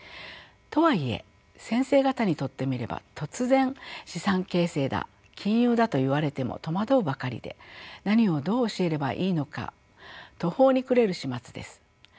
とはいえ先生方にとってみれば突然資産形成だ金融だと言われても戸惑うばかりで何をどう教えればいいのか途方に暮れる始末です。